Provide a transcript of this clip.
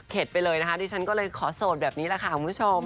ไปเลยนะคะดิฉันก็เลยขอโสดแบบนี้แหละค่ะคุณผู้ชม